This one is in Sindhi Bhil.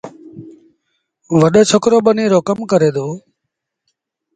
وڏو ڇوڪرو ٻنيٚ رو ڪم ڪري دو۔